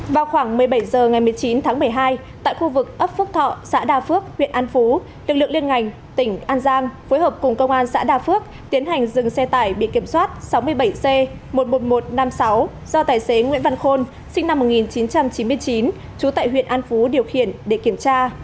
vào khoảng một mươi bảy h ngày một mươi chín tháng một mươi hai tại khu vực ấp phước thọ xã đa phước huyện an phú lực lượng liên ngành tỉnh an giang phối hợp cùng công an xã đà phước tiến hành dừng xe tải bị kiểm soát sáu mươi bảy c một mươi một nghìn một trăm năm mươi sáu do tài xế nguyễn văn khôn sinh năm một nghìn chín trăm chín mươi chín trú tại huyện an phú điều khiển để kiểm tra